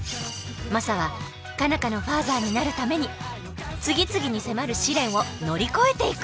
マサは佳奈花のファーザーになるために次々に迫る試練を乗り越えていく。